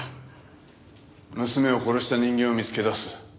娘を殺した人間を見つけ出す。